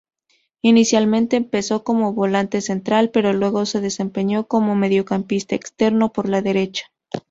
Inicialmente empezó como volante central, pero luego se desempeñó como mediocampista externo por derecha.